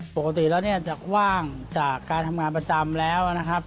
ปกติแล้วเนี่ยจะว่างจากการทำงานประจำแล้วนะครับ